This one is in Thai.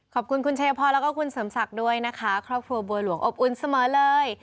ขอบคุณคุณเชพพ่อและคุณเสมอสักด้วยนะคะครอบครัวบัวหลวงอบอุ้นเสมอเลย